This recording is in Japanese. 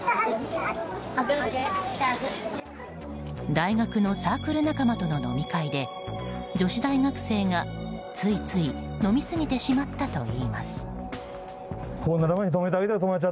大学のサークル仲間との飲み会で、女子大学生がついつい飲み過ぎてしまったといいます。